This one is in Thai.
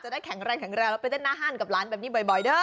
จะได้แข็งระดับการไปเต้นน้าห้านร้านแบบนี้บ่อย